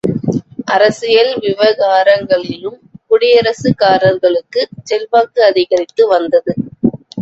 அரசியல் விவகாரங்களிலும் குடியரசுக்காரர்களுக்குச் செல்வாக்கு அதிகரித்து வந்தது.